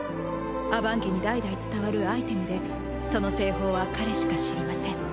アバン家に代々伝わるアイテムでその製法は彼しか知りません。